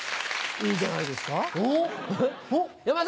いいんじゃないですか。